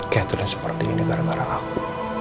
catherine seperti ini gara gara aku